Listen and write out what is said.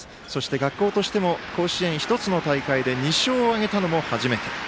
学校としても甲子園１つの大会で２勝を挙げたのも初めて。